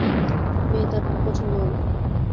মেয়ে তার খুব পছন্দ হল।